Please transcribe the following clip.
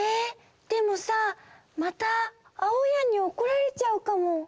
でもさまたあおやんにおこられちゃうかも。